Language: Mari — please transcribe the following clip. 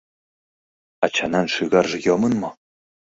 — Ачанан шӱгарже йомын мо?